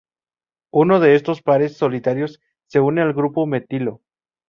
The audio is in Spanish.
Uno de estos pares solitarios se une al grupo metilo.